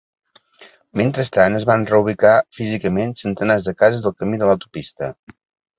Mentrestant, es van reubicar físicament centenars de cases del camí de l'autopista.